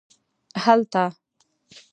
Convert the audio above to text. هلته